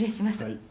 はい。